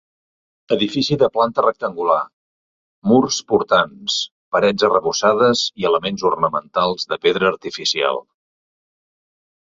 Edifici de planta rectangular, murs portants, parets arrebossades i elements ornamentals de pedra artificial.